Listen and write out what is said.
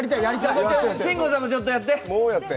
慎吾さんもちょっとやって。